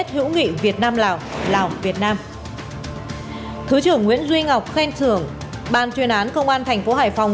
thứ trưởng nguyễn duy ngọc khen thưởng bàn truyền án công an tp hải phòng